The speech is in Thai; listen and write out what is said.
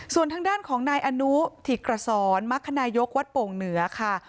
ส่วนทางด้านของนายอนุถิกระสอนมรรคนายกวัดโป่งเหนือค่ะ